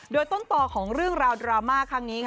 โดยต้นต่อของเรื่องราวดราม่าครั้งนี้